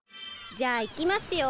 じゃあいきますよ！